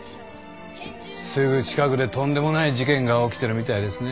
すぐ近くでとんでもない事件が起きてるみたいですね。